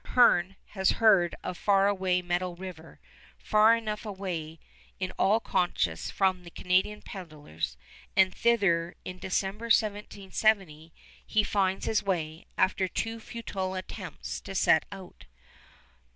Hearne has heard of Far Away Metal River, far enough away in all conscience from the Canadian peddlers; and thither in December, 1770, he finds his way, after two futile attempts to set out.